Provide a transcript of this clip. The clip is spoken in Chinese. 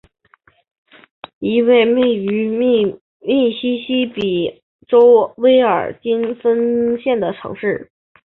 伍德维尔是一个位于美国密西西比州威尔金森县的城市。